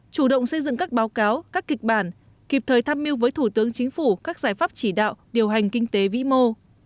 chủ động xây dựng các báo cáo các kịch bản kịp thời tham mưu với thủ tướng chính phủ các giải pháp chỉ đạo điều hành kinh tế vĩ mô